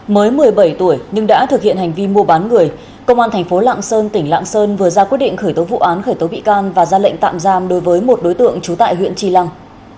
mới một mươi bảy tuổi nhưng đã thực hiện hành vi mua bán người công an thành phố lạng sơn tỉnh lạng sơn vừa ra quyết định khởi tố vụ án khởi tố bị can và ra lệnh tạm giam đối với một đối tượng trú tại huyện tri lăng